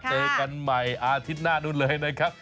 เจอกันใหม่อาทิตย์หน้านู้นเลยนะครับ